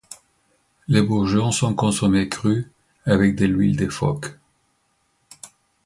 Les bourgeons sont consommés crus avec de l'huile de phoque.